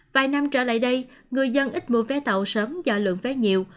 vài năm trở lại đây người dân ít mua vé tàu sớm do lượng vé nhiều